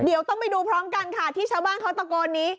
เดี๋ยวต้องไปดูพร้อมกันค่ะที่ชาวบ้านเขาตะโกนนี้